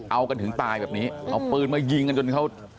เอากันถึงตายแบบนี้เอาปืนมายิงกันจนเขา